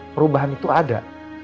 perubahan itu ada